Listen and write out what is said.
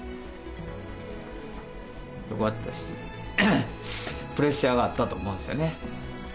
よかったし、プレッシャーがあったと思うんですよね。